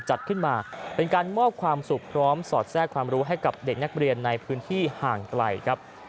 จัดขึ้นมาเป็นการมอบความสุขพร้อมสอดแทรกความรู้ให้กับเด็กนักเรียนในพื้นที่ห่างไกลครับ